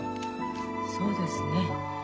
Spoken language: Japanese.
そうですね。